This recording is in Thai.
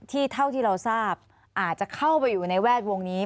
เท่าที่เราทราบอาจจะเข้าไปอยู่ในแวดวงนี้